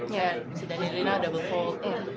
dan si danilina udah before